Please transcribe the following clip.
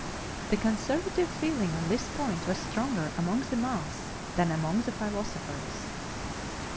The conservative feeling on this point was stronger among the mass than among the philosophers.